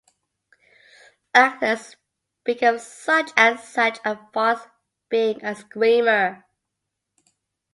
Actors speak of such and such a farce being a ‘screamer’.